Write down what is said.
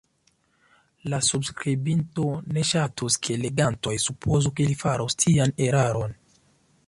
La subskribinto ne ŝatus, ke legantoj supozu, ke li farus tian eraron.